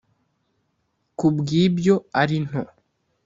kubw’ibyo ari nto